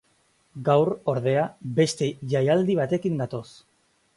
Gaur, ordea, beste jaialdi batekin gatoz.